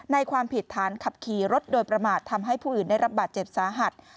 ความผิดฐานขับขี่รถโดยประมาททำให้ผู้อื่นได้รับบาดเจ็บสาหัส